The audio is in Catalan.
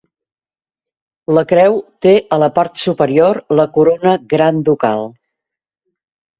La creu té a la part superior la corona gran ducal.